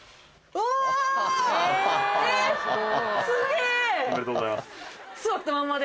おめでとうございます。